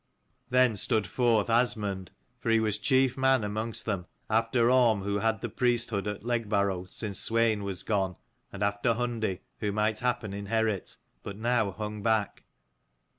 Then stood forth Asmund, for he was chief man amongst them, after Orm who had the priesthood at Legbarrow since Swein was gone, and after Hundi who might happen inherit, but now hung back.